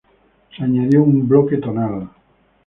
Se añadió un bloque tonal.